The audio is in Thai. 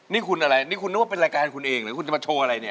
นี่คุณอะไรนี่คุณนึกว่าเป็นรายการคุณเองหรือคุณจะมาโชว์อะไรเนี่ย